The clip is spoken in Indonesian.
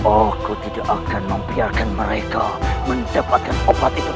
aku tidak akan membiarkan mereka mendapatkan obat itu